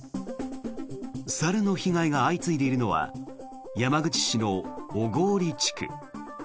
猿の被害が相次いでいるのは山口市の小郡地区。